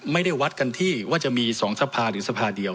ไม่ได้วัดกันที่ว่าจะมี๒สภาคลาโหมหรือสภาคลาโหมเดียว